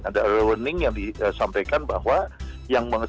ada warning yang disampaikan bahwa yang mengetahui